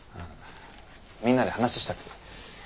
みんなで話したくて。